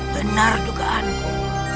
benar juga anu